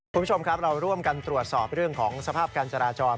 คุณผู้ชมครับเราร่วมกันตรวจสอบเรื่องของสภาพการจราจร